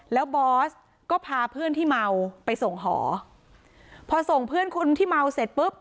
แล้วบอสก็พาเพื่อนที่เมาไปส่งหอพอส่งเพื่อนคนที่เมาเสร็จปุ๊บ